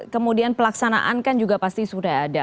kemudian pelaksanaan kan juga pasti sudah ada